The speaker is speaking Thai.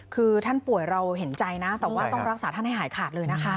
คือท่านป่วยเราเห็นใจนะแต่ว่าต้องรักษาท่านให้หายขาดเลยนะคะ